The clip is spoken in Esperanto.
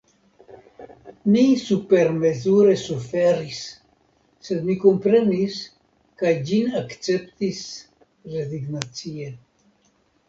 Mi supermezure suferis; sed mi komprenis, kaj ĝin akceptis rezignacie.